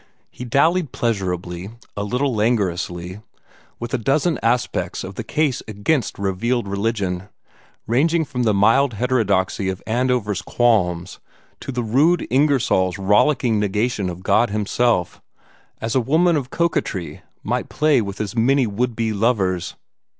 He dallied pleasurably, a little languorously, with a dozen aspects of the case against revealed religion, ranging from the mild heterodoxy of Andover's qualms to the rude Ingersoll's rollicking negation of God himself, as a woman of coquetry might play with as many would be lovers.